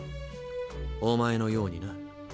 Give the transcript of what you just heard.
お前のようにな。